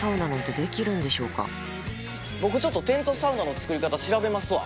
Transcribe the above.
僕テントサウナの作り方調べますわ。